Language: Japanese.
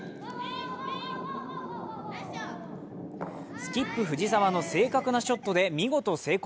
スキップ・藤澤の正確なショットで見事成功。